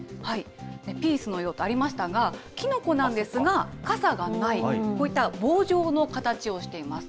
ピースのようとありましたが、キノコなんですが傘がない、こういった棒状の形をしています。